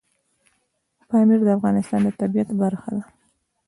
پامیر د افغانستان د طبیعت برخه ده.